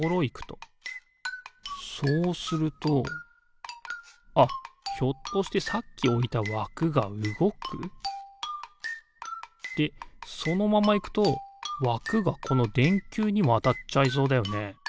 そうするとあっひょっとしてさっきおいたわくがうごく？でそのままいくとわくがこのでんきゅうにもあたっちゃいそうだよね。